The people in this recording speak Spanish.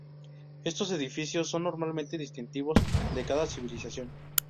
Estos edificios son normalmente distintivos de cada civilización.